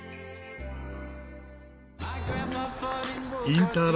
インター